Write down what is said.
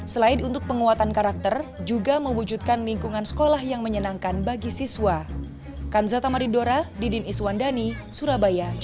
selain untuk penguatan karakter juga mewujudkan lingkungan sekolah yang menyenangkan bagi siswa